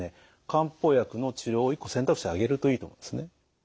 漢方薬の治療を一個選択肢に挙げるといいと思うんですね。